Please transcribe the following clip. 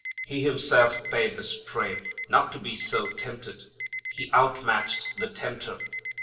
He Himself bade us pray not to be so tempted. He out matched the tempter.